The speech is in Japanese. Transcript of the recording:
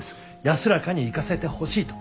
安らかに逝かせてほしいと。